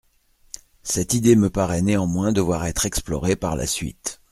Cette idée me paraît néanmoins devoir être explorée par la suite.